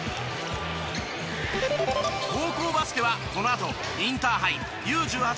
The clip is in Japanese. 高校バスケはこのあとインターハイＵ１８